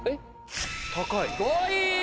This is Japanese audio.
高い。